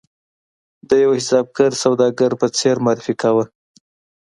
د یوه حسابګر سوداګر په څېر معرفي کاوه.